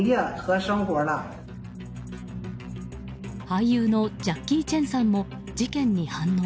俳優のジャッキー・チェンさんも事件に反応。